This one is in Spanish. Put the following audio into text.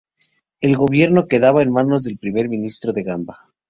El gobierno quedaba en manos del Primer ministro de Gambia.